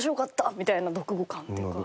みたいな読後感っていうか。